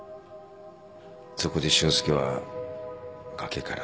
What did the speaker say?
そこで俊介は崖から。